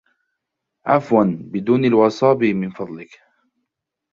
عفواً, بدون الوسابي, من فضلك.